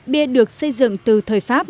bia được xây dựng từ thời pháp